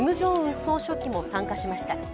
総書記も参加しました。